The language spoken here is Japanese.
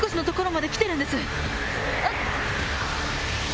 あっ！